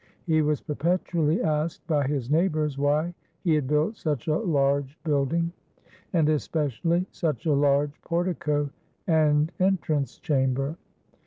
He was perpetually asked by his neighbours why he had built such a large building, and especially such a large portico and entrance chamber.